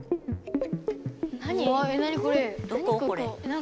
何？